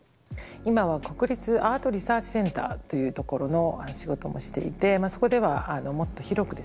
今は国立アートリサーチセンターというところの仕事もしていてまあそこではもっと広くですね